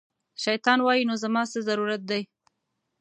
شیطان وایي، نو زما څه ضرورت دی